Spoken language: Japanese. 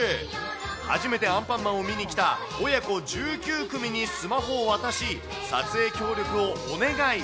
初めてアンパンマンを見に来た親子１９組にスマホを渡し、撮影協力をお願い。